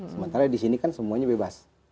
sementara disini kan semuanya bebas